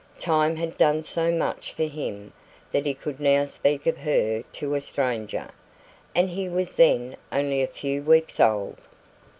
Time had done so much for him that he could now speak of her to a stranger. "And he was then only a few weeks old."